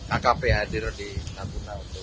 akp hadir di nabi naukara